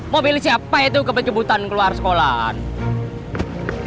mau pilih siapa ya itu kebucebutan keluar sekolah